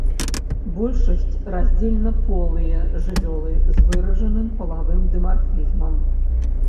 Большасць раздзельнаполыя жывёлы з выражаным палавым дымарфізмам.